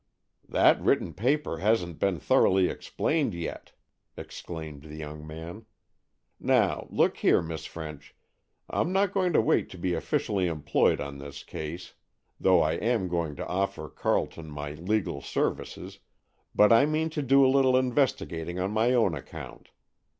"That written paper hasn't been thoroughly explained yet," exclaimed the young man. "Now, look here, Miss French, I'm not going to wait to be officially employed on this case, though I am going to offer Carleton my legal services, but I mean to do a little investigating on my own account.